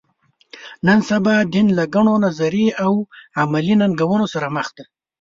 نن سبا دین له ګڼو نظري او عملي ننګونو سره مخ دی.